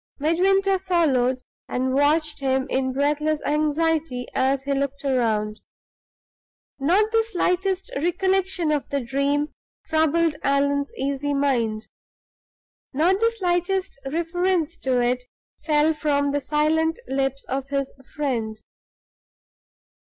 Midwinter followed, and watched him in breathless anxiety as he looked round. Not the slightest recollection of the Dream troubled Allan's easy mind. Not the slightest reference to it fell from the silent lips of his friend.